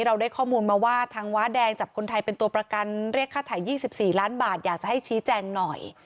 เรียกค่าไถ่๒๔ล้านบาทอยากจะให้ชี้แจงหน่อย